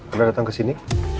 udah datang kesini